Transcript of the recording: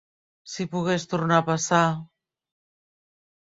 -Si pogués tornar a passar…